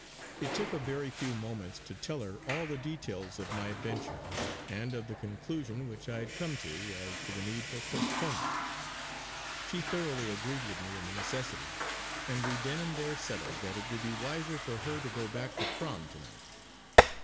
It took a very few moments to tell her all the details of my adventure, and of the conclusion which I had come to as to the need for postponement. She thoroughly agreed with me in the necessity; and we then and there settled that it would be wiser for her to go back to Crom to night.